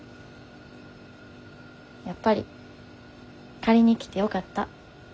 やっぱり借りに来てよかった。